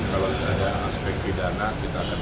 kalau ada aspek pidana kita akan